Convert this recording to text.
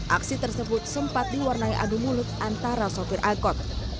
aksi tersebut sempat diwarnai adu mulut antara sopir angkot